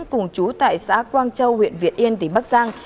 cùng chú tại xã quang châu huyện việt yên tỉnh bắc giang